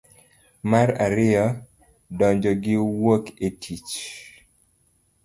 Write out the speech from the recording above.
mar ariyo. donjo gi wuok e tich.